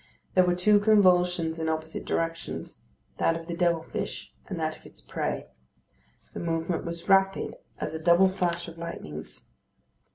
There were two convulsions in opposite directions; that of the devil fish and that of its prey. The movement was rapid as a double flash of lightnings.